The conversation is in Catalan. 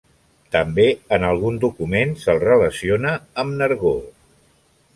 També en algun document se'l relaciona amb Nargó.